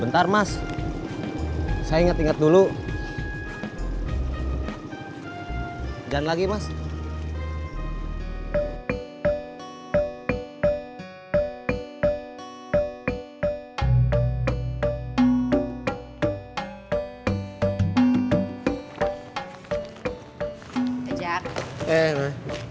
tadi lu mau kemana